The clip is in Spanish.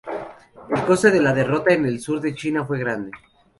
El coste de la derrota en el sur de China fue grande.